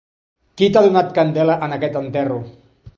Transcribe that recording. Qui t'ha donat candela en aquest enterro?